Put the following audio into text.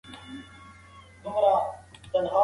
هغه خلک چې ناهیلي شول، ډېر ژر هېر شول.